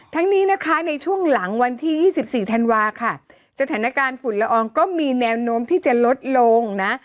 ทั้งนี้นะคะในช่วงหลังวันที่๒๔ธันวาค่ะสถานการณ์ฝุ่นละอองก็มีแนวโน้มที่จะลดลงนะ